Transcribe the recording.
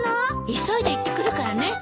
急いで行ってくるからね。